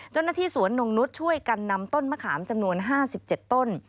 จนที่สวนหนุ่มนุษย์ช่วยกันนำต้นมะขามจำนวน๕๗ต้น